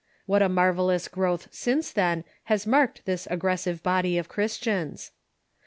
What a marvellous growth since „. then has marked this ao orressive body of Christians